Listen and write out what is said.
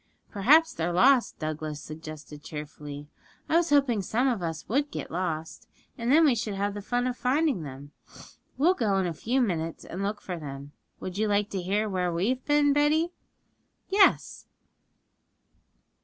'Perhaps they're lost,' Douglas suggested cheerfully; 'I was hoping some of us would get lost, and then we should have the fun of finding them. We'll go in a few minutes and look for them. Would you like to hear where we have been, Betty?' 'Yes.'